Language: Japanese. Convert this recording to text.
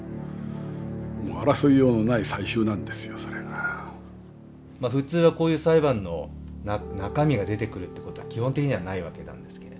つまりその普通はこういう裁判の中身が出てくるってことは基本的にはないわけなんですけれど。